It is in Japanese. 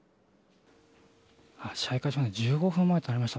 試合開始まで１５分となりました。